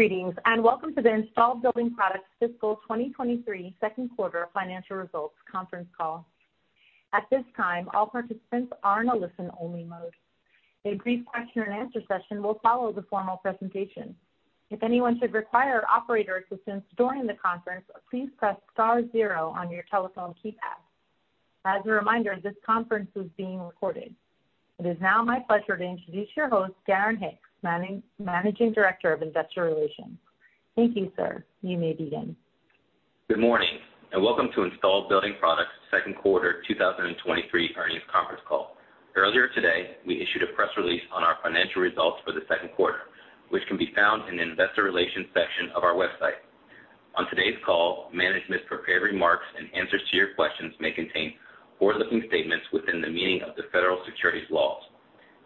Greetings, and welcome to the Installed Building Products Fiscal 2023 Second Quarter Financial Results conference call. At this time, all participants are in a listen-only mode. A brief question-and-answer session will follow the formal presentation. If anyone should require operator assistance during the conference, please press star zero on your telephone keypad. As a reminder, this conference is being recorded. It is now my pleasure to introduce your host, Darren Hicks, Managing Director of Investor Relations. Thank you, sir. You may begin. Good morning. Welcome to Installed Building Products Second Quarter 2023 Earnings Conference Call. Earlier today, we issued a press release on our financial results for the second quarter, which can be found in the Investor Relations section of our website. On today's call, management's prepared remarks and answers to your questions may contain forward-looking statements within the meaning of the federal securities laws.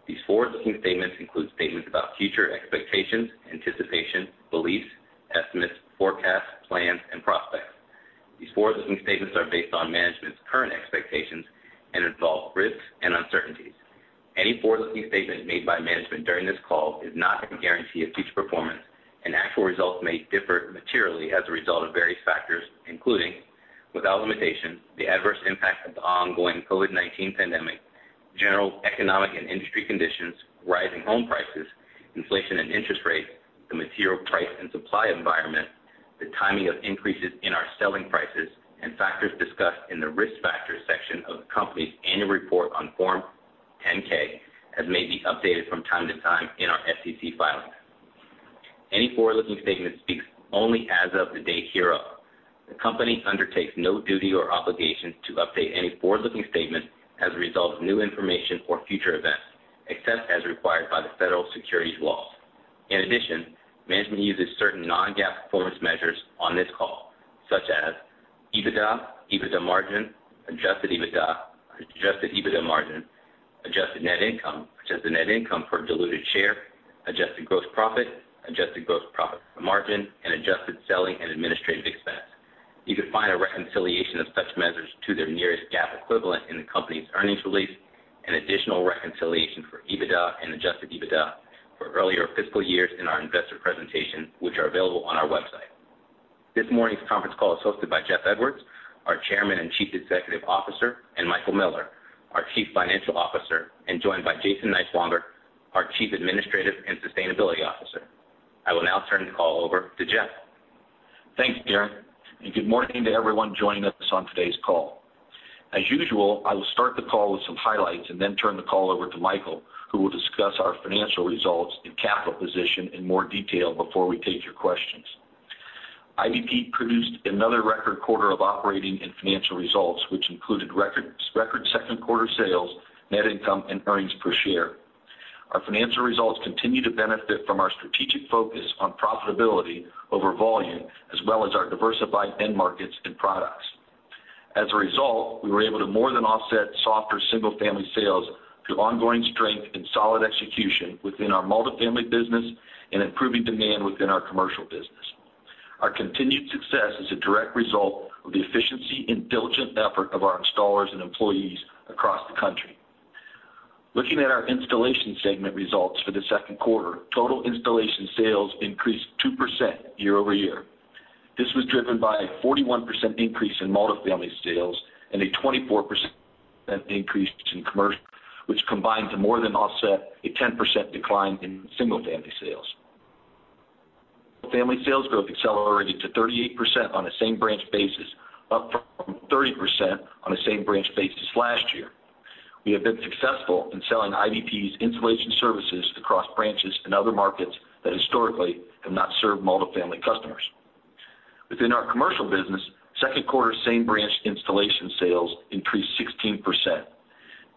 These forward-looking statements include statements about future expectations, anticipation, beliefs, estimates, forecasts, plans, and prospects. These forward-looking statements are based on management's current expectations and involve risks and uncertainties. Any forward-looking statement made by management during this call is not a guarantee of future performance, and actual results may differ materially as a result of various factors, including, without limitation, the adverse impact of the ongoing COVID-19 pandemic, general economic and industry conditions, rising home prices, inflation and interest rates, the material price and supply environment, the timing of increases in our selling prices, and factors discussed in the Risk Factors section of the company's annual report on Form 10-K, as may be updated from time to time in our SEC filings. Any forward-looking statement speaks only as of the date hereof. The company undertakes no duty or obligation to update any forward-looking statement as a result of new information or future events, except as required by the federal securities laws. In addition, management uses certain Non-GAAP performance measures on this call, such as EBITDA, EBITDA margin, adjusted EBITDA, adjusted EBITDA margin, adjusted net income, adjusted net income per diluted share, adjusted gross profit, adjusted gross profit margin, and adjusted selling and administrative expense. You can find a reconciliation of such measures to their nearest GAAP equivalent in the company's earnings release, and additional reconciliation for EBITDA and adjusted EBITDA for earlier fiscal years in our investor presentation, which are available on our website. This morning's conference call is hosted by Jeff Edwards, our Chairman and Chief Executive Officer, and Michael Miller, our Chief Financial Officer, and joined by Jason Niswonger, our Chief Administrative and Sustainability Officer. I will now turn the call over to Jeff. Thanks, Darren. Good morning to everyone joining us on today's call. As usual, I will start the call with some highlights and then turn the call over to Michael, who will discuss our financial results and capital position in more detail before we take your questions. IBP produced another record quarter of operating and financial results, which included record, record second quarter sales, net income, and earnings per share. Our financial results continue to benefit from our strategic focus on profitability over volume, as well as our diversified end markets and products. As a result, we were able to more than offset softer single-family sales through ongoing strength and solid execution within our multifamily business and improving demand within our commercial business. Our continued success is a direct result of the efficiency and diligent effort of our installers and employees across the country. Looking at our installation segment results for the second quarter, total installation sales increased 2% year-over-year. This was driven by a 41% increase in multifamily sales and a 24% increase in commercial, which combined to more than offset a 10% decline in single-family sales. Family sales growth accelerated to 38% on a same-branch basis, up from 30% on a same-branch basis last year. We have been successful in selling IBP's installation services across branches and other markets that historically have not served multifamily customers. Within our commercial business, second quarter same-branch installation sales increased 16%.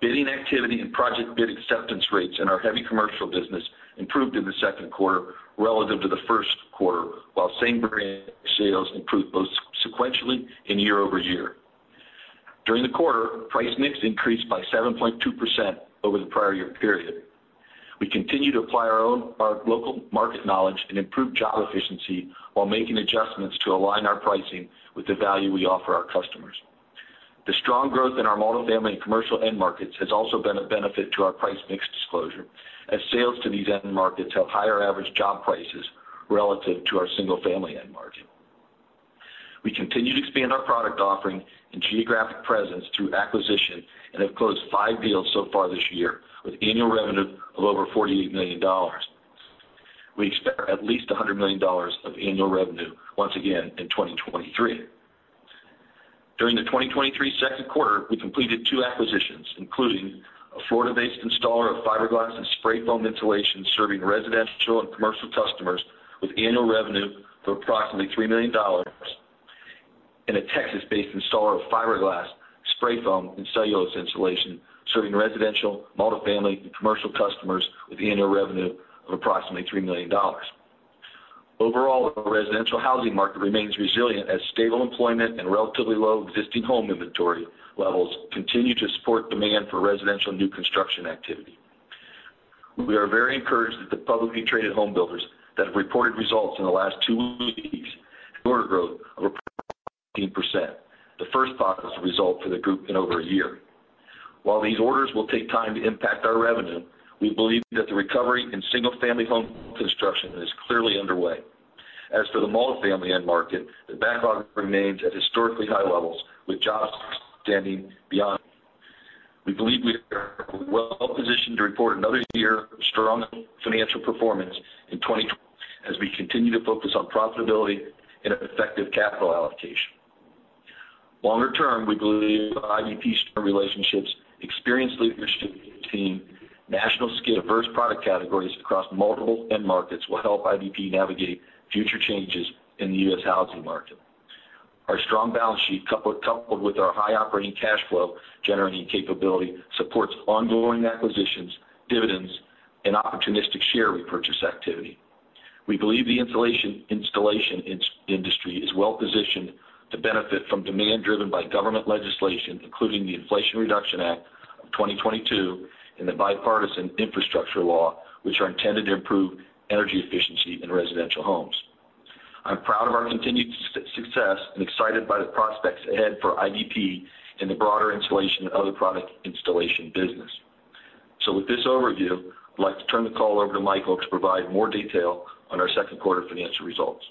Bidding activity and project bid acceptance rates in our heavy commercial business improved in the second quarter relative to the first quarter, while same-branch sales improved both sequentially and year-over-year. During the quarter, price mix increased by 7.2% over the prior year period. We continue to apply our own local market knowledge and improve job efficiency while making adjustments to align our pricing with the value we offer our customers. The strong growth in our multifamily and commercial end markets has also been a benefit to our price mix disclosure, as sales to these end markets have higher average job prices relative to our single-family end market. We continue to expand our product offering and geographic presence through acquisition and have closed five deals so far this year, with annual revenue of over $48 million. We expect at least $100 million of annual revenue once again in 2023. During the 2023 2Q, we completed two acquisitions, including a Florida-based installer of Fiberglass and Spray foam insulation, serving residential and commercial customers with annual revenue of approximately $3 million, and a Texas-based installer of Fiberglass, Spray foam, and Cellulose insulation, serving residential, multifamily, and commercial customers with annual revenue of approximately $3 million. Overall, the residential housing market remains resilient as stable employment and relatively low existing home inventory levels continue to support demand for residential new construction activity. We are very encouraged that the publicly traded homebuilders that have reported results in the last two weeks, growth of approximately 18%, the first positive result for the group in over a year. While these orders will take time to impact our revenue, we believe that the recovery in single-family home construction is clearly underway. As for the multifamily end market, the backlog remains at historically high levels, with jobs standing beyond. We believe we are well positioned to report another year of strong financial performance in 2020, as we continue to focus on profitability and effective capital allocation. Longer term, we believe IBP's strong relationships, experienced leadership team, national scale, diverse product categories across multiple end markets will help IBP navigate future changes in the U.S. housing market. Our strong balance sheet, coupled with our high operating cash flow generating capability, supports ongoing acquisitions, dividends, and opportunistic share repurchase activity. We believe the installation industry is well positioned to benefit from demand driven by government legislation, including the Inflation Reduction Act of 2022 and the Bipartisan Infrastructure Law, which are intended to improve energy efficiency in residential homes. I'm proud of our continued success and excited by the prospects ahead for IBP in the broader insulation and other product installation business. With this overview, I'd like to turn the call over to Michael to provide more detail on our 2nd quarter financial results.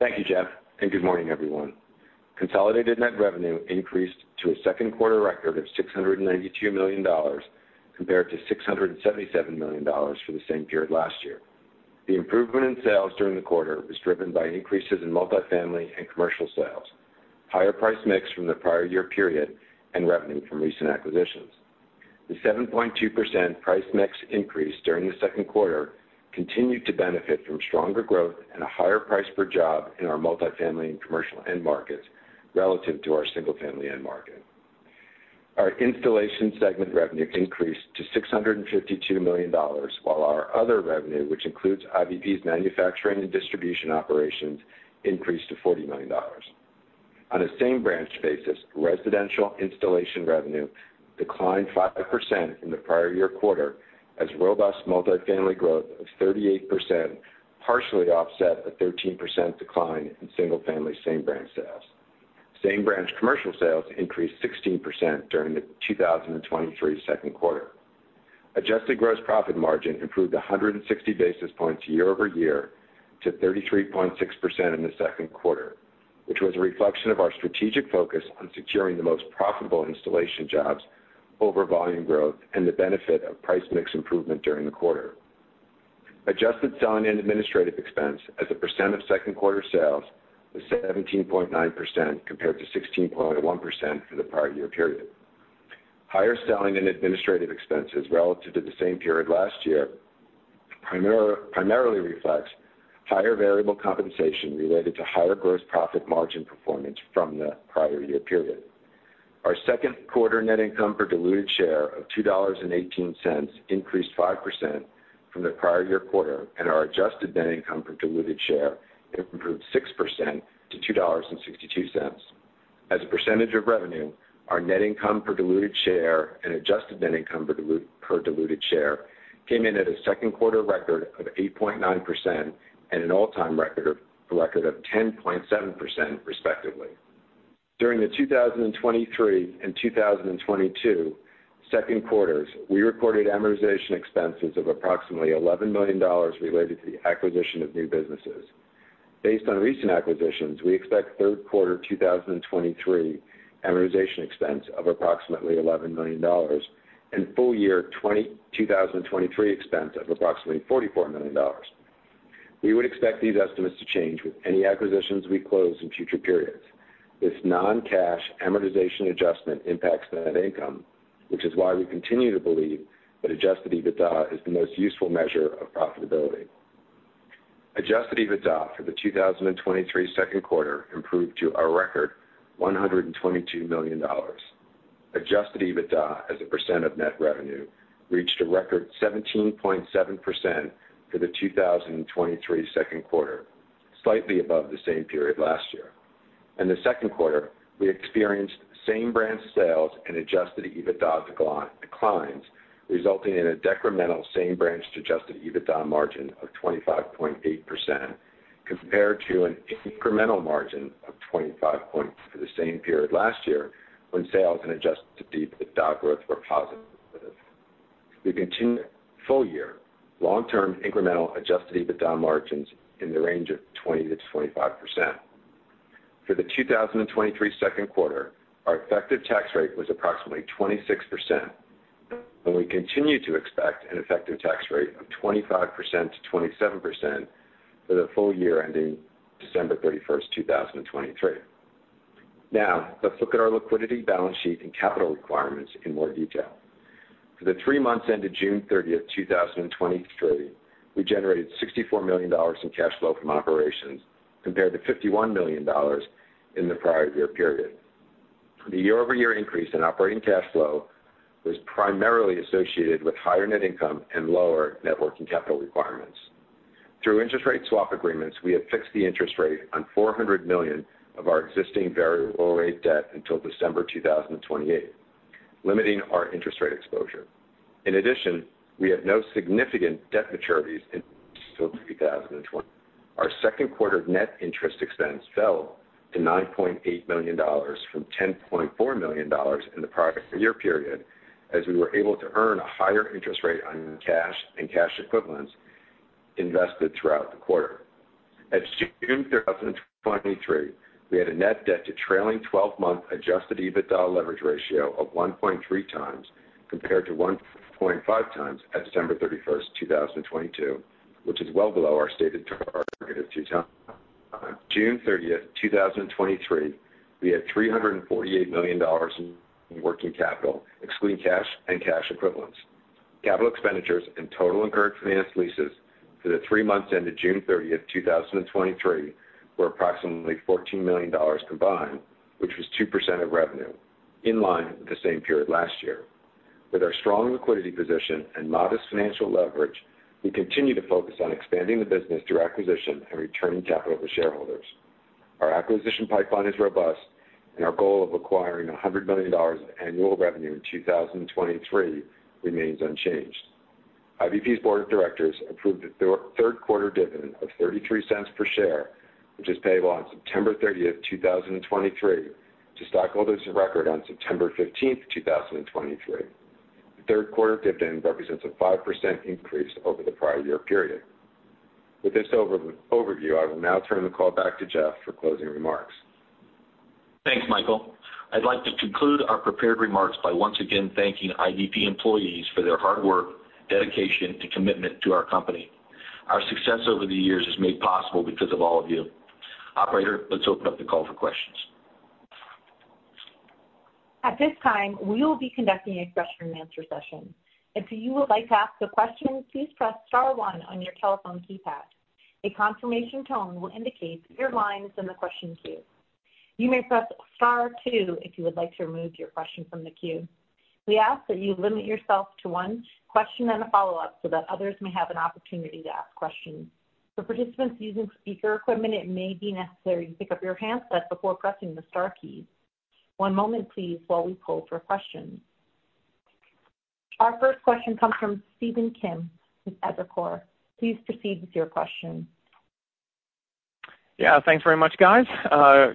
Thank you, Jeff, and good morning, everyone. Consolidated net revenue increased to a second quarter record of $692 million, compared to $677 million for the same period last year. The improvement in sales during the quarter was driven by increases in multifamily and commercial sales, higher price mix from the prior year period, and revenue from recent acquisitions. The 7.2% price mix increase during the second quarter continued to benefit from stronger growth and a higher price per job in our multifamily and commercial end markets relative to our single-family end market. Our installation segment revenue increased to $652 million, while our other revenue, which includes IBP's manufacturing and distribution operations, increased to $40 million. On a same branch basis, residential installation revenue declined 5% in the prior-year quarter, as robust multifamily growth of 38% partially offset a 13% decline in single-family same branch sales. Same branch commercial sales increased 16% during the 2023 second quarter. Adjusted gross profit margin improved 160 basis points year-over-year to 33.6% in the second quarter, which was a reflection of our strategic focus on securing the most profitable installation jobs over volume growth and the benefit of price mix improvement during the quarter. Adjusted selling and administrative expense as a percent of second quarter sales was 17.9%, compared to 16.1% for the prior-year period. Higher selling and administrative expenses relative to the same period last year, primarily reflects higher variable compensation related to higher gross profit margin performance from the prior year period. Our second quarter net income per diluted share of $2.18 increased 5% from the prior year quarter, and our adjusted net income per diluted share improved 6% to $2.62. As a percentage of revenue, our net income per diluted share and adjusted net income per diluted share came in at a second quarter record of 8.9% and an all-time record of 10.7%, respectively. During the 2023 and 2022 second quarters, we recorded amortization expenses of approximately $11 million related to the acquisition of new businesses. Based on recent acquisitions, we expect third quarter 2023 amortization expense of approximately $11 million and full year 2023 expense of approximately $44 million. We would expect these estimates to change with any acquisitions we close in future periods. This non-cash amortization adjustment impacts net income, which is why we continue to believe that adjusted EBITDA is the most useful measure of profitability. Adjusted EBITDA for the 2023 second quarter improved to a record $122 million. Adjusted EBITDA as a % of net revenue, reached a record 17.7% for the 2023 second quarter, slightly above the same period last year. In the second quarter, we experienced same-branch sales and adjusted EBITDA declines, resulting in a decremental same-branch to adjusted EBITDA margin of 25.8%, compared to an incremental margin of 25 points for the same period last year, when sales and adjusted EBITDA growth were positive. We continue full-year long-term incremental adjusted EBITDA margins in the range of 20%-25%. For the 2023 second quarter, our effective tax rate was approximately 26%, and we continue to expect an effective tax rate of 25%-27% for the full year ending December 31st, 2023. Now, let's look at our liquidity, balance sheet, and capital requirements in more detail. For the 3 months ended June 30th, 2023, we generated $64 million in cash flow from operations, compared to $51 million in the prior year period. The year-over-year increase in operating cash flow was primarily associated with higher net income and lower net working capital requirements. Through interest rate swap agreements, we have fixed the interest rate on $400 million of our existing variable rate debt until December 2028, limiting our interest rate exposure. In addition, we have no significant debt maturities until 2020. Our second quarter net interest expense fell to $9.8 million from $10.4 million in the prior year period, as we were able to earn a higher interest rate on cash and cash equivalents invested throughout the quarter. At June 2023, we had a net debt to trailing twelve-month adjusted EBITDA leverage ratio of 1.3x, compared to 1.5x at September 30th, 2022, which is well below our stated target of 2x. June 30th, 2023, we had $348 million in working capital, excluding cash and cash equivalents. Capital expenditures and total incurred finance leases for the 3 months ended June 30th, 2023, were approximately $14 million combined, which was 2% of revenue, in line with the same period last year. With our strong liquidity position and modest financial leverage, we continue to focus on expanding the business through acquisition and returning capital to shareholders. Our acquisition pipeline is robust, our goal of acquiring $100 million of annual revenue in 2023 remains unchanged. IBP's Board of Directors approved a third quarter dividend of $0.33 per share, which is payable on September 30th, 2023, to stockholders of record on September 15th, 2023. The third quarter dividend represents a 5% increase over the prior year period. With this overview, I will now turn the call back to Jeff for closing remarks. Thanks, Michael. I'd like to conclude our prepared remarks by once again thanking IBP employees for their hard work, dedication, and commitment to our company. Our success over the years is made possible because of all of you. Operator, let's open up the call for questions. At this time, we will be conducting a question-and-answer session. If you would like to ask a question, please press star one on your telephone keypad. A confirmation tone will indicate your line is in the question queue. You may press star two if you would like to remove your question from the queue. We ask that you limit yourself to one question and a follow-up so that others may have an opportunity to ask questions. For participants using speaker equipment, it may be necessary to pick up your handset before pressing the star key. One moment please, while we poll for questions. Our first question comes from Stephen Kim with Evercore. Please proceed with your question. Yeah, thanks very much, guys.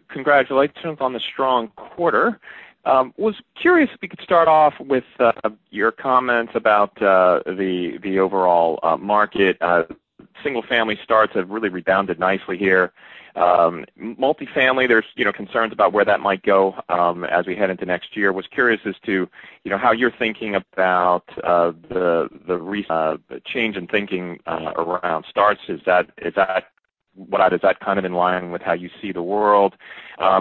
Congratulations on the strong quarter. Was curious if we could start off with your comments about the overall market. Single family starts have really rebounded nicely here. Multifamily, there's, you know, concerns about where that might go, as we head into next year. Was curious as to, you know, how you're thinking about the re- change in thinking around starts. Is that, is that, what, is that kind of in line with how you see the world? I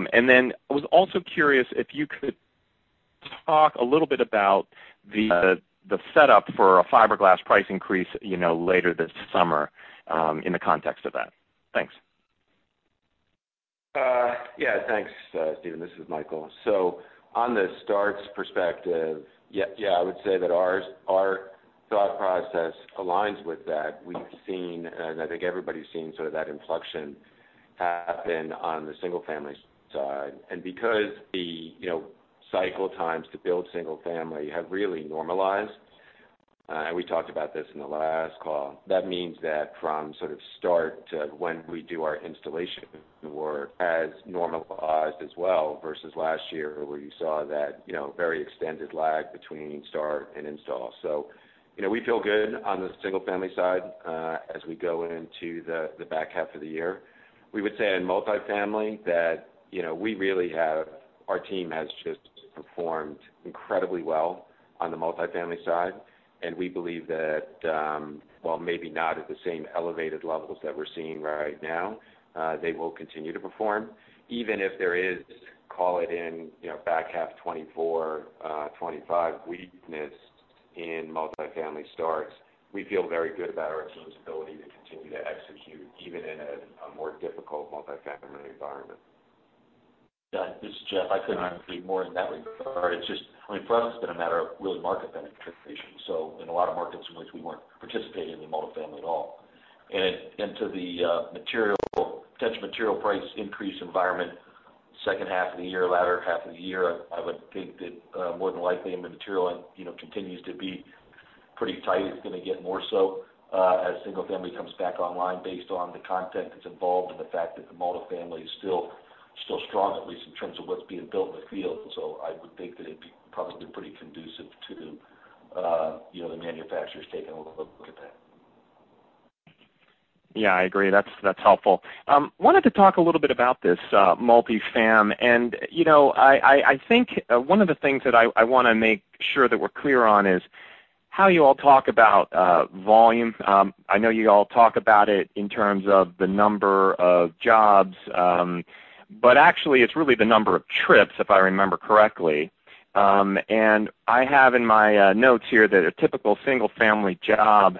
was also curious if you could talk a little bit about the setup for a fiberglass price increase, you know, later this summer, in the context of that. Thanks. Yeah, thanks, Stephen. This is Michael. On the starts perspective, yeah, yeah, I would say that ours, our thought process aligns with that. We've seen, and I think everybody's seen sort of that inflection happen on the single family side. Because the, you know, cycle times to build single family have really normalized, and we talked about this in the last call, that means that from sort of start to when we do our installation work has normalized as well, versus last year, where you saw that, you know, very extended lag between start and install. You know, we feel good on the single family side, as we go into the, the back half of the year. We would say in multifamily that, you know, we really have -- our team has just performed incredibly well on the multifamily side, and we believe that, while maybe not at the same elevated levels that we're seeing right now, they will continue to perform, even if there is, call it in, you know, back half 2024, 2025, weakness in multifamily starts. We feel very good about our team's ability to continue to execute, even in a, a more difficult multifamily environment. Yeah, this is Jeff. I couldn't agree more in that regard. It's just, I mean, for us, it's been a matter of really market penetration. In a lot of markets in which we weren't participating in the multifamily at all. To the material, potential material price increase environment, second half of the year, latter half of the year, I would think that more than likely, the material, you know, continues to be pretty tight. It's gonna get more so as single family comes back online based on the content that's involved and the fact that the multifamily is still, still strong, at least in terms of what's being built in the field. I would think that it'd be probably pretty conducive to, you know, the manufacturers taking a look, look at that. Yeah, I agree. That's, that's helpful. wanted to talk a little bit about this multifam, and, you know, I think, one of the things that I wanna make sure that we're clear on is how you all talk about volume. I know you all talk about it in terms of the number of jobs, but actually, it's really the number of trips, if I remember correctly. I have in my notes here that a typical single family job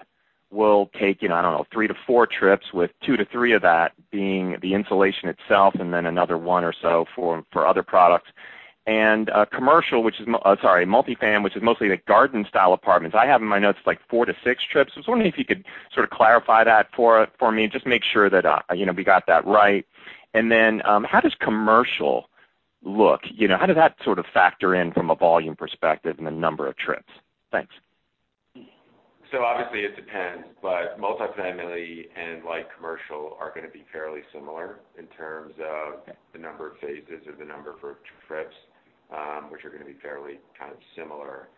will take, you know, I don't know, 3-to-4 trips, with 2-to-3 of that being the insulation itself, and then another one or so for other products. Commercial, which is sorry, multifam, which is mostly the garden-style apartments. I have in my notes, like, 4-to-6-trips. I was wondering if you could sort of clarify that for, for me, just make sure that, you know, we got that right. Then, how does commercial look? You know, how does that sort of factor in from a volume perspective and the number of trips? Thanks. Obviously it depends, but multifamily and light commercial are going to be fairly similar in terms of the number of phases or the number for trips, which are going to be fairly kind of similar.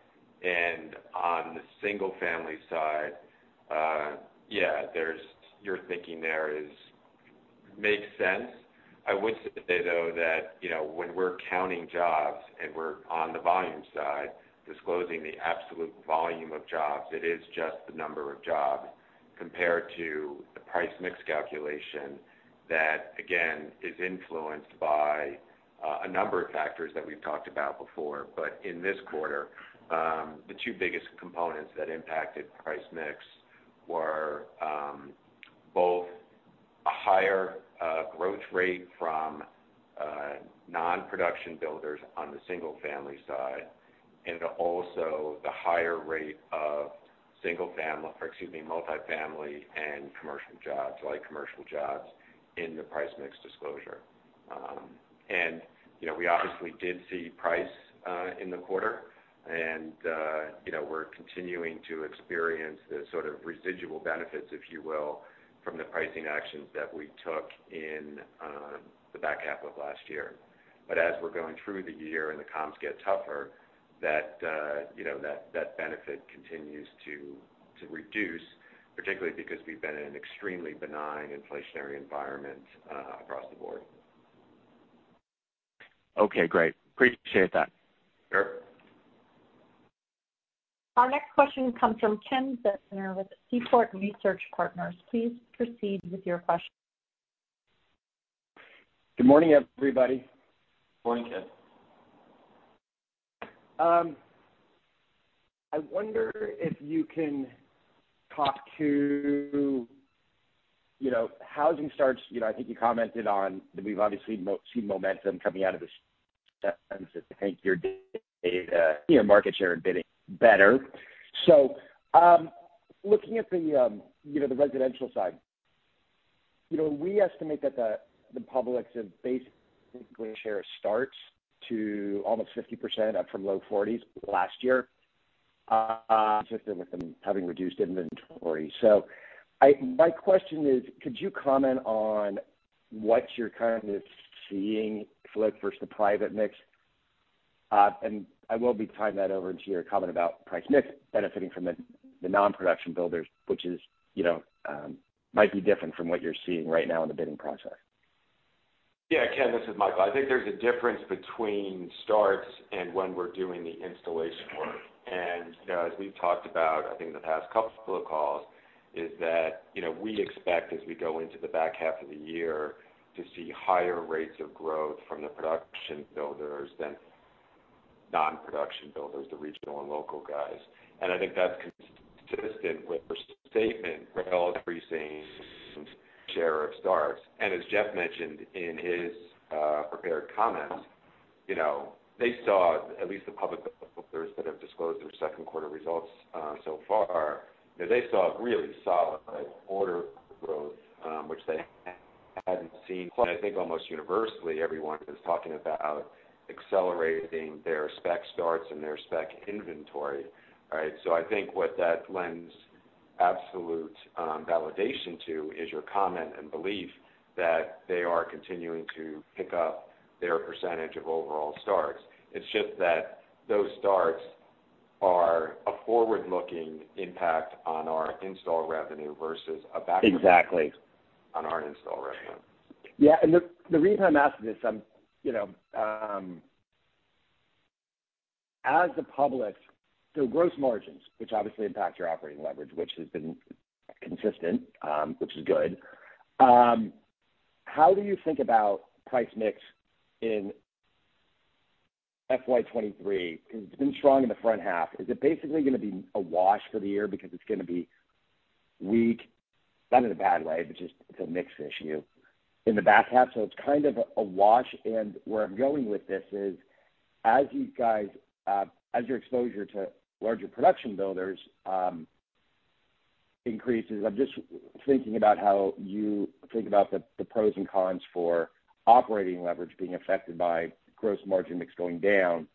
On the single family side, yeah, your thinking there is, makes sense. I would say, though, that, you know, when we're counting jobs and we're on the volume side, disclosing the absolute volume of jobs, it is just the number of jobs compared to the price mix calculation. That, again, is influenced by a number of factors that we've talked about before. In this quarter, the two biggest components that impacted price mix were both a higher growth rate from non-production builders on the single family side, and also the higher rate of single family, or excuse me, multifamily and commercial jobs, like commercial jobs in the price mix disclosure. You know, we obviously did see price in the quarter. You know, we're continuing to experience the sort of residual benefits, if you will, from the pricing actions that we took in the back half of last year. As we're going through the year and the comms get tougher, that, you know, that benefit continues to reduce, particularly because we've been in an extremely benign inflationary environment across the board. Okay, great. Appreciate that. Sure. Our next question comes from Kenneth Zener with Seaport Research Partners. Please proceed with your question. Good morning, everybody. Morning, Ken. I wonder if you can talk to, you know, housing starts. You know, I think you commented on that we've obviously seen momentum coming out of this, I think your data, you know, market share and bidding better. Looking at the, you know, the residential side, you know, we estimate that the, the publics have basically share starts to almost 50%, up from low 40s last year, consistent with them having reduced inventory. My question is, could you comment on what you're currently seeing public versus the private mix? I will be tying that over into your comment about price mix benefiting from the, the non-production builders, which is, you know, might be different from what you're seeing right now in the bidding process. Yeah, Ken, this is Michael. I think there's a difference between starts and when we're doing the installation work. you know, as we've talked about, I think in the past couple of calls, is that, you know, we expect as we go into the back half of the year to see higher rates of growth from the production builders than non-production builders, the regional and local guys. I think that's consistent with your statement, we're all increasing share of starts. as Jeff mentioned in his prepared comments, you know, they saw at least the public builders that have disclosed their second quarter results, so far, you know, they saw really solid order growth, which they hadn't seen. I think almost universally, everyone is talking about accelerating their spec starts and their spec inventory, right? I think what that lends absolute validation to, is your comment and belief that they are continuing to pick up their % of overall starts. It's just that those starts are a forward-looking impact on our install revenue versus a backward- Exactly. On our install revenue. Yeah, and the, the reason I'm asking this, you know, gross margins, which obviously impact your operating leverage, which has been consistent, which is good. How do you think about price mix in FY 2023? Because it's been strong in the front half. Is it basically going to be a wash for the year because it's going to be weak, not in a bad way, but just it's a mix issue in the back half, so it's kind of a wash? Where I'm going with this is, as you guys, as your exposure to larger production builders, increases, I'm just thinking about how you think about the, the pros and cons for operating leverage being affected by gross margin mix going down.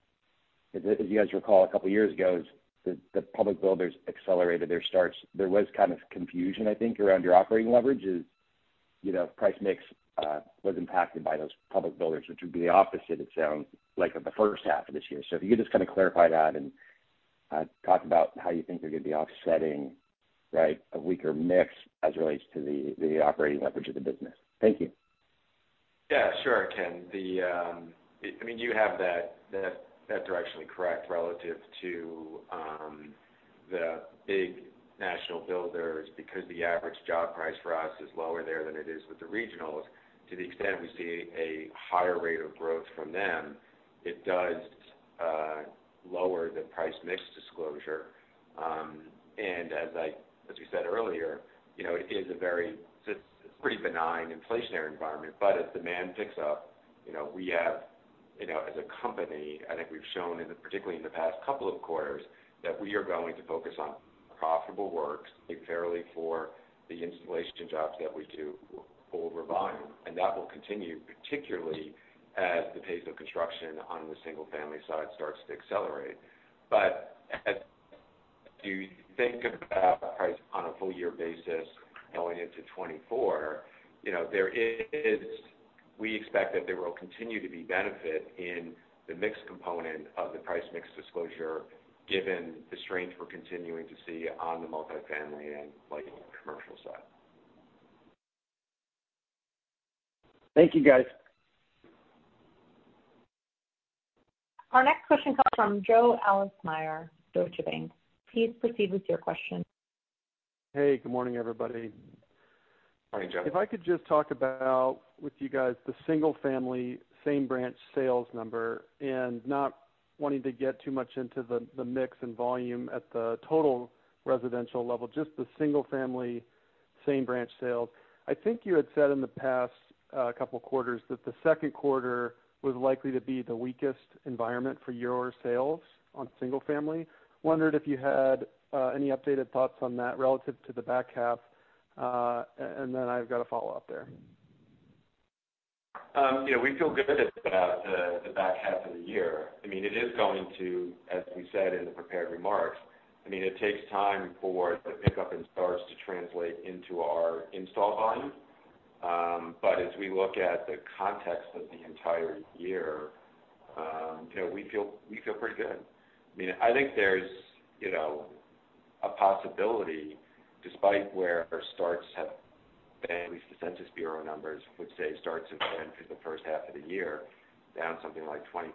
As you guys recall, a couple of years ago, the, the public builders accelerated their starts. There was kind of confusion, I think, around your operating leverage. As, you know, price mix was impacted by those public builders, which would be the opposite, it sounds like, of the first half of this year. If you could just kind of clarify that and talk about how you think they're going to be offsetting, right, a weaker mix as it relates to the operating leverage of the business? Thank you. Yeah, sure, Ken. The, I mean, you have that, that, that directionally correct relative to the big national builders, because the average job price for us is lower there than it is with the regionals. To the extent we see a higher rate of growth from them, it does lower the price mix disclosure. As we said earlier, you know, it is a very, it's pretty benign inflationary environment. As demand picks up, you know, we have, you know, as a company, I think we've shown in the, particularly in the past couple of quarters, that we are going to focus on profitable works fairly for the installation jobs that we do over volume. That will continue, particularly as the pace of construction on the single family side starts to accelerate. If you think about price on a full year basis going into 2024, you know, we expect that there will continue to be benefit in the mix component of the price mix disclosure, given the strength we're continuing to see on the multifamily and like commercial side. Thank you, guys. Our next question comes from Joe Ahlersmeyer, Deutsche Bank. Please proceed with your question. Hey, good morning, everybody. Morning, Joe. If I could just talk about with you guys the single family, same branch sales number, and not wanting to get too much into the, the mix and volume at the total residential level, just the single family, same branch sales. I think you had said in the past, couple quarters that the second quarter was likely to be the weakest environment for your sales on single family. Wondered if you had any updated thoughts on that relative to the back half? Then I've got a follow-up there. You know, we feel good about the back half of the year. I mean, it is going to, as we said in the prepared remarks, I mean, it takes time for the pickup in starts to translate into our install volume. As we look at the context of the entire year, you know, we feel, we feel pretty good. I mean, I think there's, you know, a possibility, despite where our starts have been, at least the Census Bureau numbers would say starts have been, for the first half of the year, down something like 20%.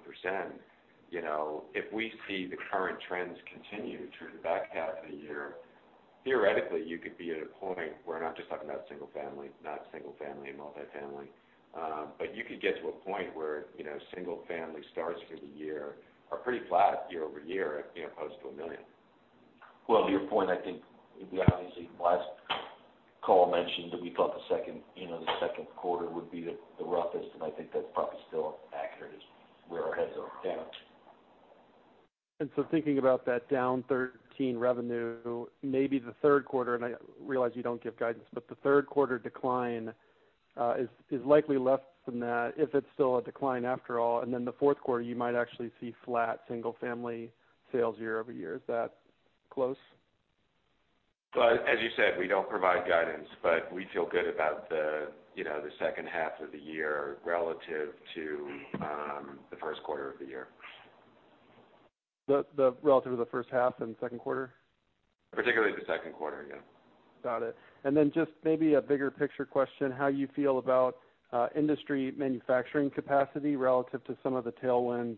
You know, if we see the current trends continue through the back half of the year, theoretically, you could be at a point where we're not just talking about single family, not single family and multifamily. You could get to a point where, you know, single family starts for the year are pretty flat year-over-year, you know, opposed to $1 million. To your point, I think we obviously, last call mentioned that we thought the second, you know, the second quarter would be the, the roughest, and I think that's probably still accurate, is where our heads are at. thinking about that down 13 revenue, maybe the third quarter, and I realize you don't give guidance, but the third quarter decline, is likely less than that, if it's still a decline after all. The fourth quarter, you might actually see flat single family sales year-over-year. Is that close? Well, as you said, we don't provide guidance, but we feel good about the, you know, the second half of the year relative to the first quarter of the year. Relative to the first half and the second quarter? Particularly the second quarter, yeah. Got it. And then just maybe a bigger picture question, how you feel about industry manufacturing capacity relative to some of the tailwinds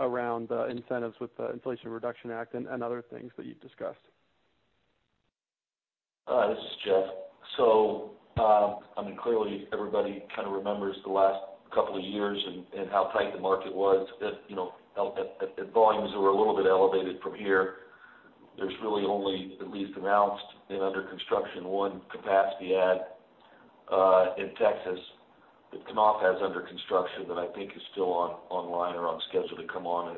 around the incentives with the Inflation Reduction Act and other things that you've discussed? This is Jeffrey Edwards. I mean, clearly everybody kind of remembers the last couple of years and, and how tight the market was. If, you know, if volumes were a little bit elevated from here, there's really only at least announced and under construction, one capacity add in Texas that Knauf has under construction that I think is still on- online or on schedule to come on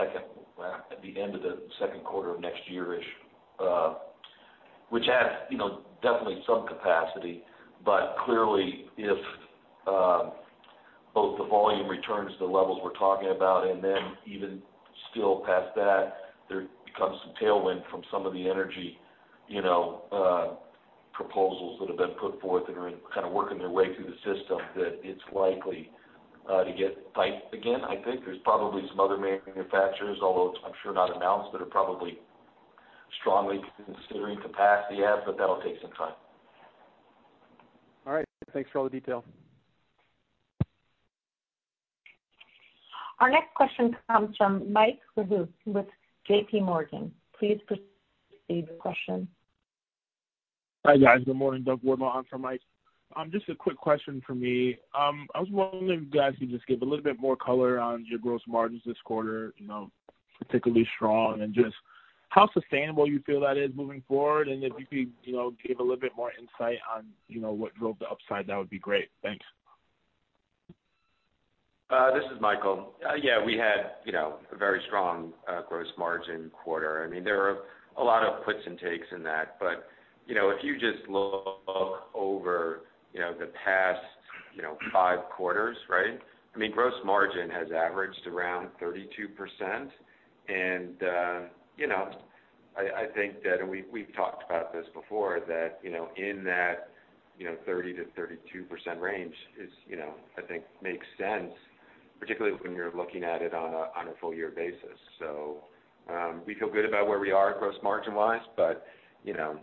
at the end of the second quarter of next year-ish. Which adds, you know, definitely some capacity, but clearly, if, both the volume returns to the levels we're talking about, and then even still past that, there becomes some tailwind from some of the energy, you know, proposals that have been put forth and are kind of working their way through the system, that it's likely, to get tight again, I think. There's probably some other manufacturers, although I'm sure not announced, that are probably strongly considering capacity add, but that'll take some time. All right. Thanks for all the detail. Our next question comes from Michael Rehaut with JP Morgan. Please proceed with your question. Hi, guys. Good morning. Doug Ward on for Mike. Just a quick question for me. I was wondering if you guys could just give a little bit more color on your gross margins this quarter, you know, particularly strong, and just how sustainable you feel that is moving forward? If you could, you know, give a little bit more insight on, you know, what drove the upside, that would be great. Thanks. This is Michael. Yeah, we had, you know, a very strong gross margin quarter. I mean, there are a lot of puts and takes in that, but, you know, if you just look over, you know, the past, you know, five quarters, right? I mean, gross margin has averaged around 32%. You know, I think that, and we, we've talked about this before, that, you know, in that, you know, 30%-32% range is, you know, I think makes sense, particularly when you're looking at it on a, on a full year basis. We feel good about where we are gross margin-wise, but, you know,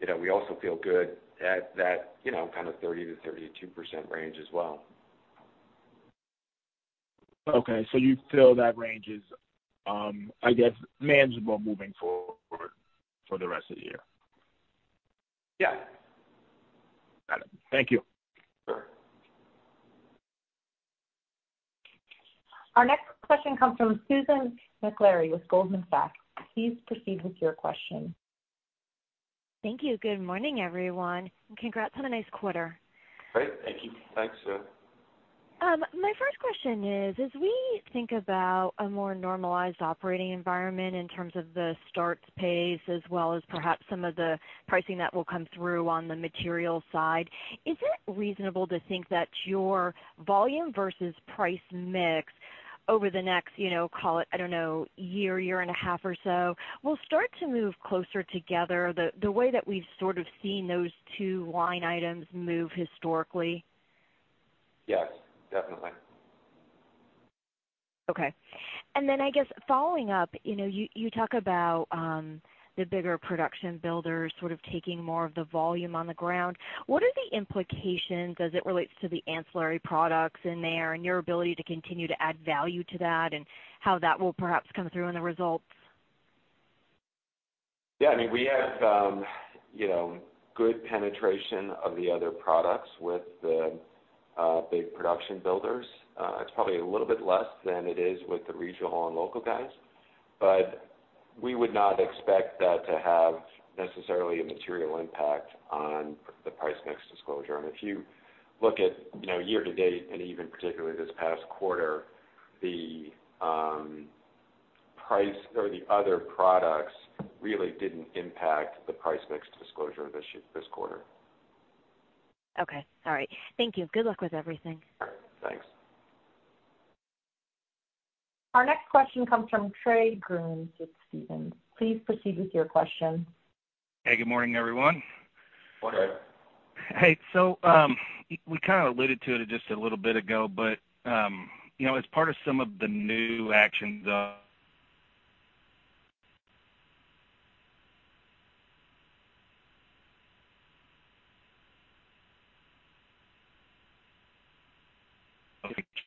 you know, we also feel good at that, you know, kind of 30%-32% range as well. Okay. You feel that range is, I guess, manageable moving forward for the rest of the year? Yeah. Got it. Thank you. Sure. Our next question comes from Susan Maklari with Goldman Sachs. Please proceed with your question. Thank you. Good morning, everyone, and congrats on a nice quarter. Great. Thank you. Thanks, Sue. My first question is: As we think about a more normalized operating environment in terms of the starts pace, as well as perhaps some of the pricing that will come through on the material side, is it reasonable to think that your volume versus price mix over the next, you know, call it, I don't know, one year, one and a half or so, will start to move closer together, the way that we've sort of seen those two line items move historically? Yes, definitely. Okay. Then I guess following up, you know, you, you talk about, the bigger production builders sort of taking more of the volume on the ground. What are the implications as it relates to the ancillary products in there, and your ability to continue to add value to that, and how that will perhaps come through in the results? Yeah, I mean, we have, you know, good penetration of the other products with the big production builders. It's probably a little bit less than it is with the regional and local guys, but we would not expect that to have necessarily a material impact on the price mix disclosure. If you look at, you know, year to date, and even particularly this past quarter, the price or the other products really didn't impact the price mix disclosure this year, this quarter. Okay. All right. Thank you. Good luck with everything. Thanks. Our next question comes from Trey Grooms with Stephens. Please proceed with your question. Hey, good morning, everyone. Morning. Hey, you kind of alluded to it just a little bit ago, you know, as part of some of the new actions,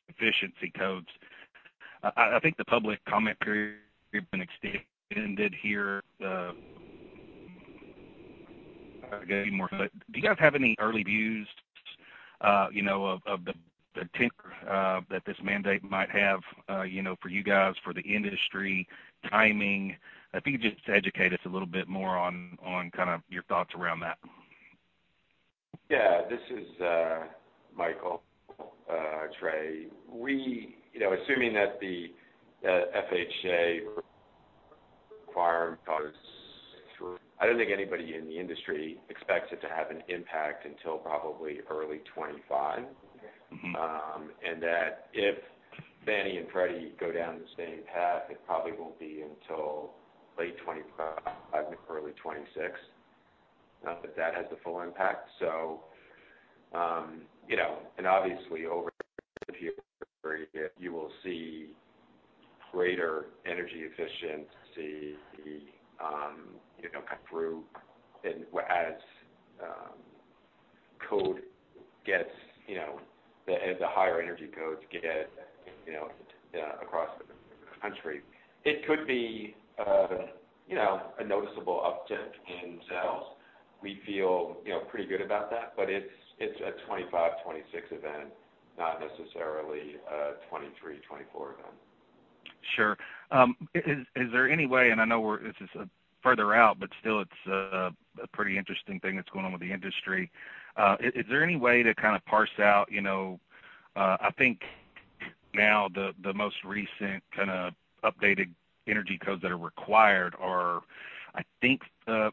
efficiency codes. I, I think the public comment period has been extended here. Do you guys have any early views, you know, of the tenor that this mandate might have, you know, for you guys, for the industry, timing? If you could just educate us a little bit more on, on kind of your thoughts around that. Yeah. This is, Michael, Trey. you know, assuming that the, FHA require, I don't think anybody in the industry expects it to have an impact until probably early 2025. Mm-hmm. That if Fannie and Freddie go down the same path, it probably won't be until late 2025, early 2026, not that that has the full impact. You know, and obviously over a few years, you will see greater energy efficiency, you know, come through and as code gets, you know, as the higher energy codes get, you know, across the country. It could be, you know, a noticeable uptick in sales. We feel, you know, pretty good about that, but it's, it's a 2025, 2026 event, not necessarily a 2023, 2024 event. Sure. Is there any way, and I know this is further out, but still it's a pretty interesting thing that's going on with the industry? Is there any way to kind of parse out, you know, I think now the most recent kind of updated energy codes that are required are, I think,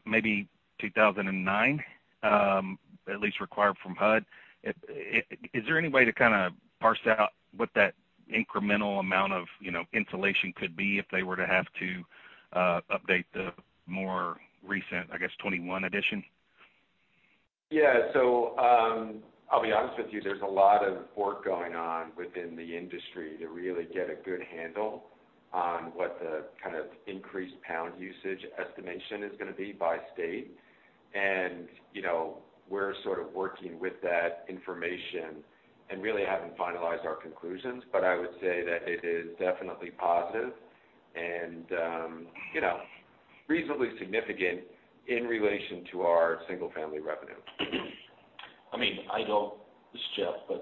maybe 2009, at least required from HUD? Is there any way to kind of parse out what that incremental amount of, you know, insulation could be if they were to have to update the more recent, I guess, 2021 edition? Yeah. I'll be honest with you, there's a lot of work going on within the industry to really get a good handle on what the kind of increased pound usage estimation is going to be by state. You know, we're sort of working with that information and really haven't finalized our conclusions, but I would say that it is definitely positive and, you know, reasonably significant in relation to our single-family revenue. I mean, I know, this is Jeff.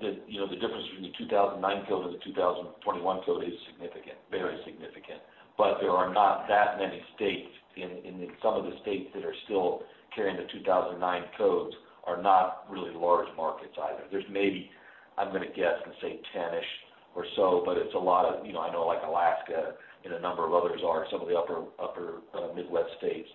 The, you know, the difference between the 2009 code and the 2021 code is significant, very significant. There are not that many states. In some of the states that are still carrying the 2009 codes are not really large markets either. There's maybe, I'm going to guess, and say ten-ish or so, but it's a lot of, you know, I know like Alaska and a number of others are some of the upper, upper Midwest states,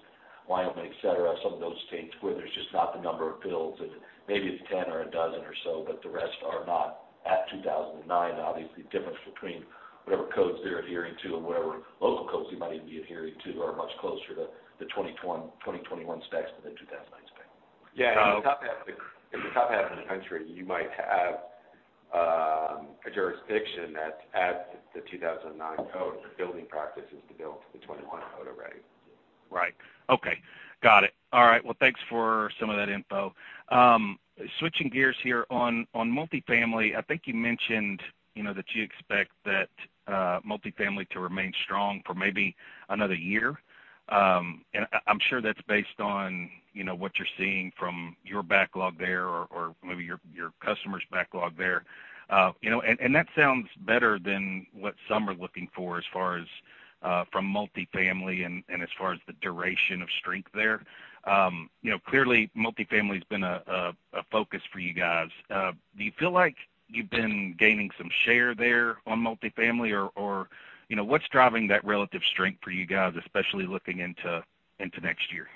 Wyoming, et cetera, some of those states where there's just not the number of builds, and maybe it's 10 or a dozen or so. The rest are not at 2009. Obviously, the difference between whatever codes they're adhering to and whatever local codes you might even be adhering to, are much closer to the 2021 specs than the 2009 spec. Yeah, in the top half of the, in the top half of the country, you might have, a jurisdiction that has the 2009 code, the building practices to build to the 2021 code already. Right. Okay. Got it. All right, well, thanks for some of that info. Switching gears here on, on multifamily, I think you mentioned, you know, that you expect that multifamily to remain strong for maybe another year. I, I'm sure that's based on, you know, what you're seeing from your backlog there or, or maybe your, your customer's backlog there. You know, and that sounds better than what some are looking for as far as from multifamily and as far as the duration of strength there. Clearly, multifamily has been a focus for you guys. Do you feel like you've been gaining some share there on multifamily, or, or, you know, what's driving that relative strength for you guys, especially looking into, into next year?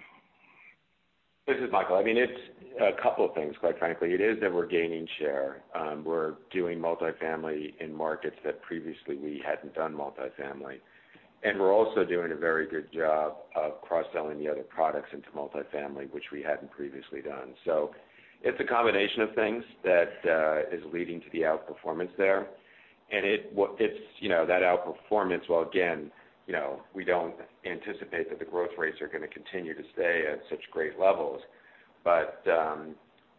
This is Michael. I mean, it's a couple of things, quite frankly. It is that we're gaining share. We're doing multifamily in markets that previously we hadn't done multifamily. We're also doing a very good job of cross-selling the other products into multifamily, which we hadn't previously done. It's a combination of things that is leading to the outperformance there. It's, you know, that outperformance, while again, you know, we don't anticipate that the growth rates are gonna continue to stay at such great levels.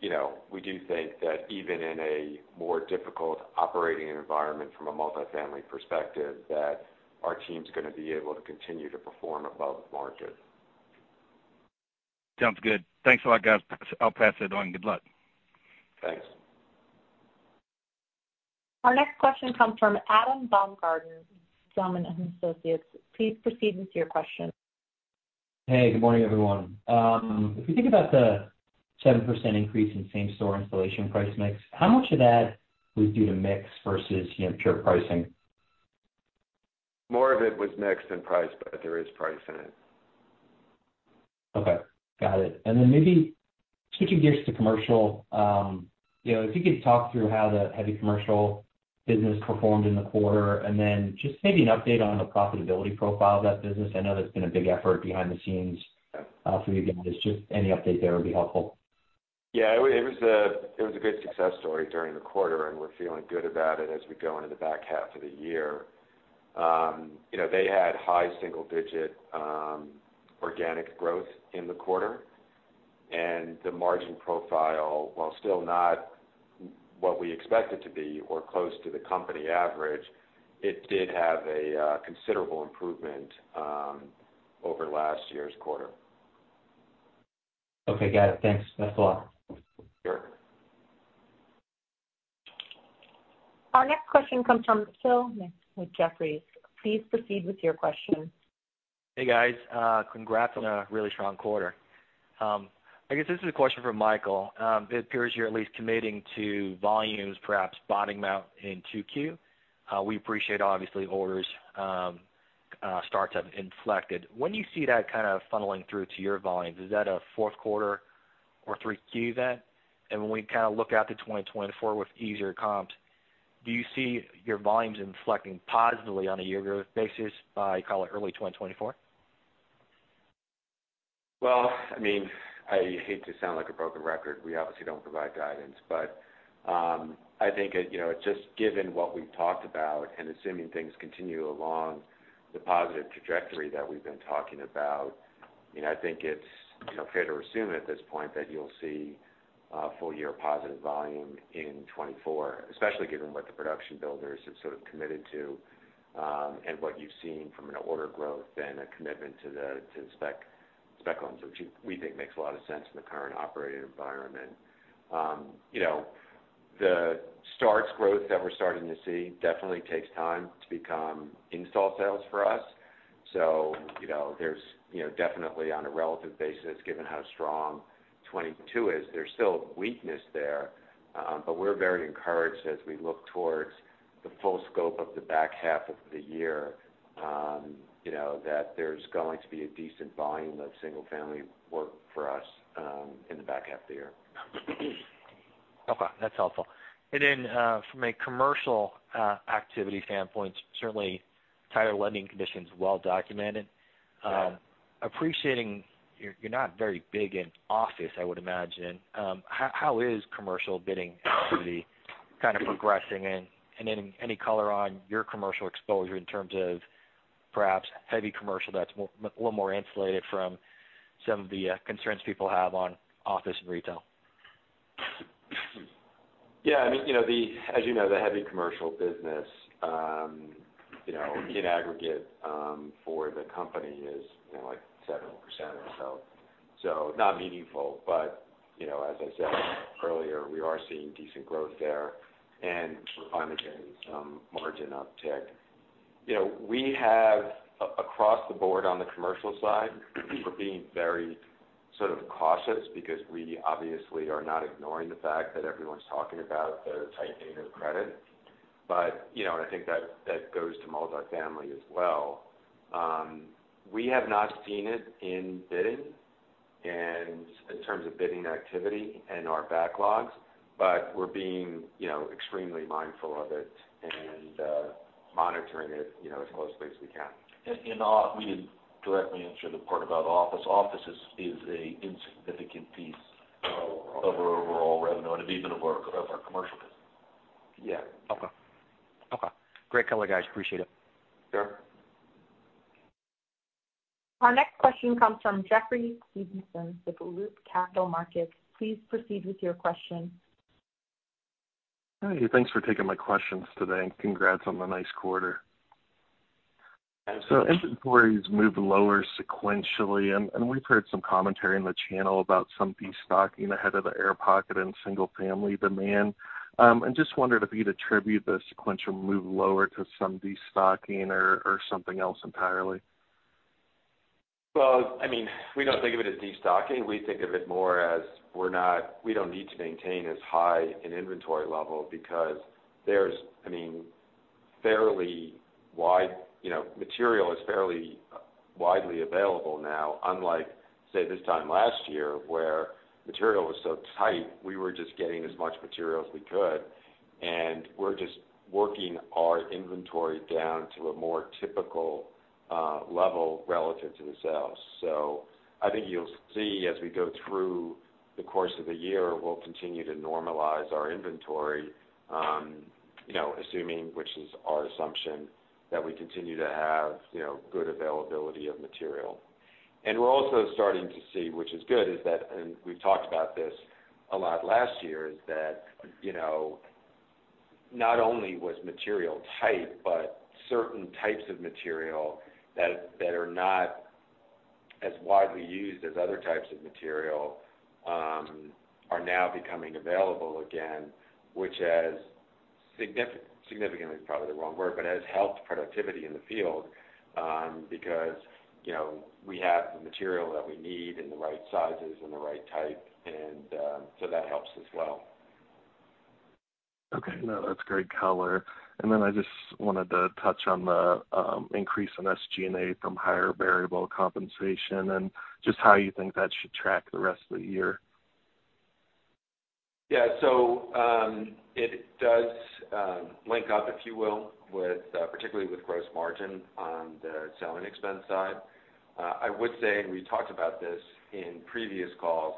You know, we do think that even in a more difficult operating environment from a multifamily perspective, that our team's gonna be able to continue to perform above the market. Sounds good. Thanks a lot, guys. I'll pass it on. Good luck. Thanks. Our next question comes from Adam Baumgarten, Zelman & Associates. Please proceed with your question. Hey, good morning, everyone. If you think about the 7% increase in same-store installation price mix, how much of that was due to mix versus, you know, pure pricing? More of it was mix than price. There is price in it. Okay, got it. Then maybe switching gears to commercial, you know, if you could talk through how the heavy commercial business performed in the quarter, and then just maybe an update on the profitability profile of that business. I know that's been a big effort behind the scenes, for you guys. Any update there would be helpful. Yeah, it, it was a, it was a good success story during the quarter, and we're feeling good about it as we go into the back half of the year. You know, they had high single-digit organic growth in the quarter, and the margin profile, while still not what we expect it to be or close to the company average, it did have a considerable improvement over last year's quarter. Okay, got it. Thanks. Thanks a lot. Sure. Our next question comes from Phil with Jefferies. Please proceed with your question. Hey, guys, congrats on a really strong quarter. I guess this is a question for Michael. It appears you're at least committing to volumes, perhaps bottoming out in 2Q. We appreciate, obviously, orders, starts have inflected. When do you see that kind of funneling through to your volumes? Is that a fourth quarter or 3Q then? When we kind of look out to 2024 with easier comps, do you see your volumes inflecting positively on a year-over-year basis by, call it, early 2024? Well, I mean, I hate to sound like a broken record. We obviously don't provide guidance. I think it, you know, just given what we've talked about and assuming things continue along the positive trajectory that we've been talking about, you know, I think it's, you know, fair to assume at this point that you'll see a full-year positive volume in 2024, especially given what the production builders have sort of committed to, and what you've seen from an order growth and a commitment to the, to the spec lens, which we think makes a lot of sense in the current operating environment. You know, the starts growth that we're starting to see definitely takes time to become install sales for us. You know, there's, you know, definitely on a relative basis, given how strong 2022 is, there's still weakness there. We're very encouraged as we look towards the full scope of the back half of the year, you know, that there's going to be a decent volume of single family work for us, in the back half of the year. Okay, that's helpful. Then, from a commercial activity standpoint, certainly tighter lending conditions, well-documented. Yeah. Appreciating you're, you're not very big in office, I would imagine. How, how is commercial bidding activity kind of progressing? Any, any color on your commercial exposure in terms of perhaps heavy commercial that's a little more insulated from some of the concerns people have on office and retail? Yeah, I mean, you know, as you know, the heavy commercial business, you know, in aggregate, for the company is, you know, like 7% or so. Not meaningful, but, you know, as I said earlier, we are seeing decent growth there and I'm getting some margin uptick. You know, we have, across the board on the commercial side, we're being very sort of cautious because we obviously are not ignoring the fact that everyone's talking about the tightening of credit. You know, and I think that, that goes to multifamily as well. We have not seen it in bidding and in terms of bidding activity and our backlogs, but we're being, you know, extremely mindful of it and monitoring it, you know, as closely as we can. We didn't directly answer the part about office. Office is, is a insignificant piece of our overall revenue and even of our, of our commercial business. Yeah. Okay. Okay. Great color, guys. Appreciate it. Sure. Our next question comes from Jeffrey Stevenson with Loop Capital Markets. Please proceed with your question. Hey, thanks for taking my questions today, and congrats on the nice quarter. Thanks. Inventories moved lower sequentially, and we've heard some commentary in the channel about some destocking ahead of the air pocket and single family demand. I just wondered if you'd attribute the sequential move lower to some destocking or something else entirely? Well, I mean, we don't think of it as destocking. We think of it more as we're not, we don't need to maintain as high an inventory level because there's, I mean, fairly wide, you know, material is fairly widely available now, unlike, say, this time last year, where material was so tight, we were just getting as much material as we could, and we're just working our inventory down to a more typical level relative to the sales. I think you'll see, as we go through the course of the year, we'll continue to normalize our inventory, you know, assuming, which is our assumption, that we continue to have, you know, good availability of material. We're also starting to see, which is good, is that, and we've talked about this a lot last year, is that, you know, not only was material tight, but certain types of material that, that are not as widely used as other types of material, are now becoming available again, which has significantly is probably the wrong word, but has helped productivity in the field, because, you know, we have the material that we need in the right sizes and the right type, and so that helps as well. Okay, no, that's great color. Then I just wanted to touch on the increase in SG&A from higher variable compensation, and just how you think that should track the rest of the year. Yeah. It does link up, if you will, with particularly with gross margin on the selling expense side. I would say, we talked about this in previous calls,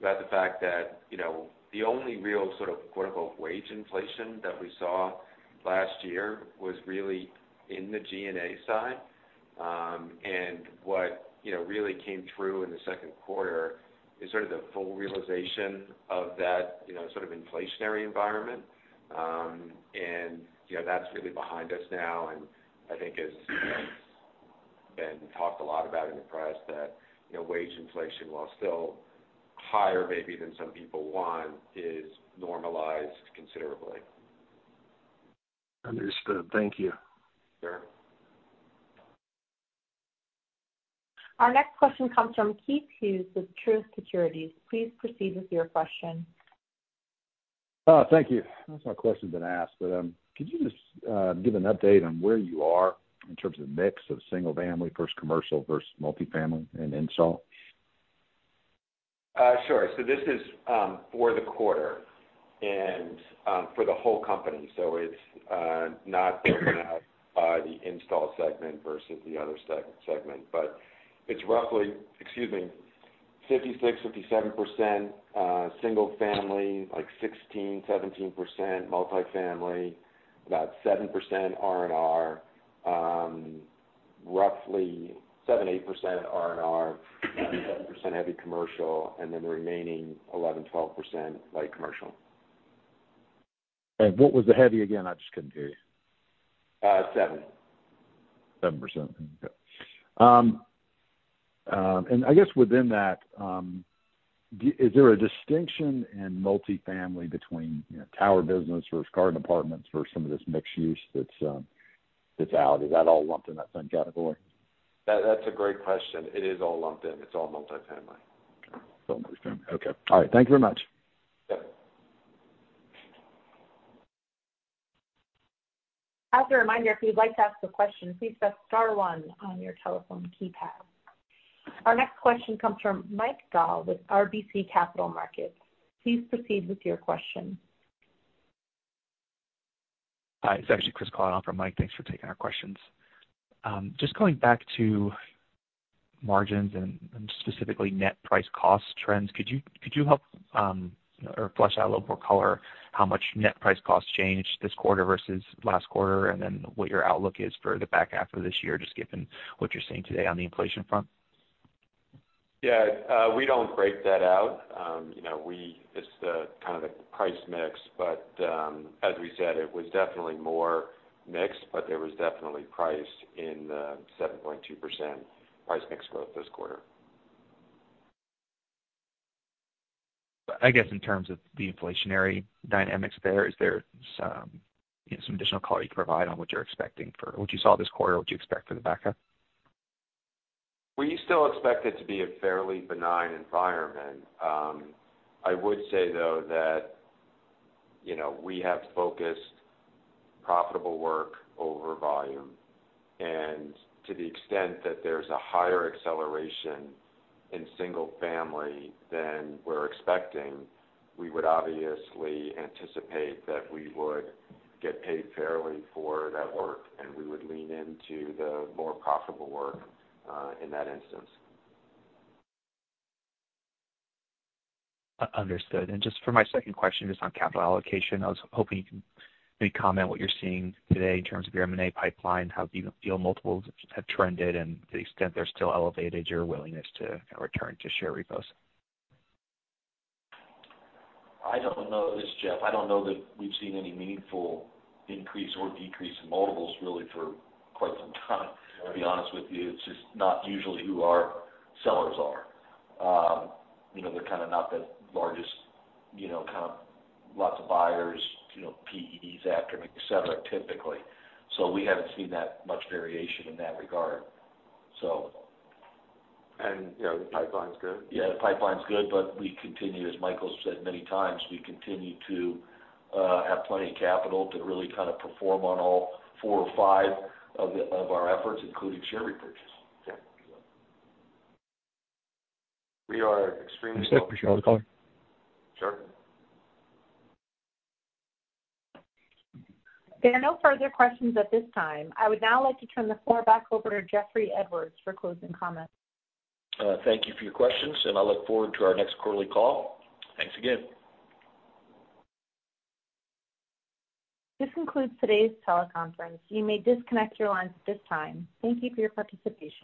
about the fact that, you know, the only real sort of quote, unquote, "wage inflation" that we saw last year was really in the G&A side. What, you know, really came through in the second quarter is sort of the full realization of that, you know, sort of inflationary environment. You know, that's really behind us now, and I think it's been talked a lot about in the press that, you know, wage inflation, while still higher maybe than some people want, is normalized considerably. Understood. Thank you. Sure. Our next question comes from Keith Hughes with Truist Securities. Please proceed with your question. Thank you. Most of my questions have been asked, but could you just give an update on where you are in terms of mix of single family versus commercial versus multifamily and install? Sure. This is for the quarter and for the whole company, so it's not broken out by the install segment versus the other segment. It's roughly, excuse me, 56%-57% single family, like 16%-17% multifamily, about 7% R&R, roughly 7%-8% R&R, 7% heavy commercial, and then the remaining 11%-12% light commercial. What was the heavy again? I just couldn't hear you. 7. 7%, okay. I guess within that, is there a distinction in multifamily between, you know, tower business versus garden apartments versus some of this mixed use that's out? Is that all lumped in that same category? That, that's a great question. It is all lumped in. It's all multifamily. It's all multifamily. Okay. All right. Thank you very much. Yep. As a reminder, if you'd like to ask a question, please press star one on your telephone keypad. Our next question comes from Michael Dahl with RBC Capital Markets. Please proceed with your question. Hi, it's actually Chris Cialino from Mike. Thanks for taking our questions. Just going back to margins and specifically net price cost trends, could you help or flesh out a little more color how much net price costs changed this quarter versus last quarter? Then what your outlook is for the back half of this year, just given what you're seeing today on the inflation front? Yeah, we don't break that out. You know, it's the kind of the price mix, but, as we said, it was definitely more mixed, but there was definitely price in the 7.2% price mix growth this quarter. I guess, in terms of the inflationary dynamics there, is there some additional color you can provide on what you're expecting for, what you saw this quarter, what do you expect for the backup? We still expect it to be a fairly benign environment. I would say, though, that, you know, we have focused profitable work over volume, and to the extent that there's a higher acceleration in single family than we're expecting, we would obviously anticipate that we would get paid fairly for that work, and we would lean into the more profitable work, in that instance. Understood. Just for my second question, just on capital allocation, I was hoping you can maybe comment what you're seeing today in terms of your M&A pipeline, how deal multiples have trended, and the extent they're still elevated, your willingness to return to share repos? I don't know. This is Jeff. I don't know that we've seen any meaningful increase or decrease in multiples really for quite some time, to be honest with you. It's just not usually who our sellers are. You know, they're kind of not the largest, you know, kind of lots of buyers, you know, PEs, actor, et cetera, typically. We haven't seen that much variation in that regard. You know, the pipeline's good. Yeah, the pipeline's good, but we continue, as Michael said many times, we continue to have plenty of capital to really kind of perform on all four or five of our efforts, including share repurchase. Yeah. We are extremely- Thanks, Jeff, appreciate all the color. Sure. There are no further questions at this time. I would now like to turn the floor back over to Jeffrey Edwards for closing comments. Thank you for your questions, and I look forward to our next quarterly call. Thanks again. This concludes today's teleconference. You may disconnect your lines at this time. Thank you for your participation.